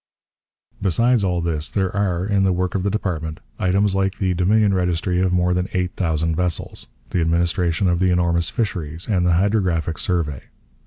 Besides all this there are, in the work of the department, items like the Dominion registry of more than eight thousand vessels, the administration of the enormous fisheries, and the hydrographic survey.